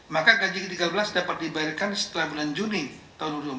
maka gaji ke tiga belas dapat dibayarkan setelah bulan juni tahun dua ribu dua puluh